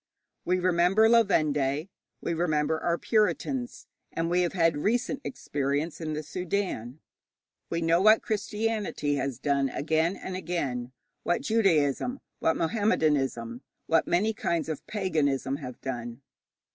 We remember La Vendée, we remember our Puritans, and we have had recent experience in the Soudan. We know what Christianity has done again and again; what Judaism, what Mahommedanism, what many kinds of paganism, have done.